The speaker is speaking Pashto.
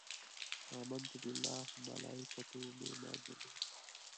په امنت بالله ملایکته مې ایمان درلود.